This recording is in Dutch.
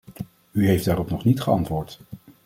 U heeft daarop nog niet geantwoord.